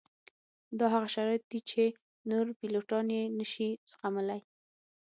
دا هغه شرایط دي چې نور پیلوټان یې نه شي زغملی